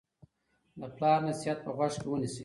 د پلار نصیحت په غوږ کې ونیسئ.